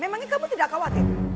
memangnya kamu tidak khawatir